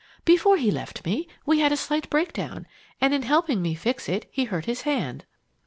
Before he left me, we had a slight breakdown, and in helping me fix it, he hurt his hand.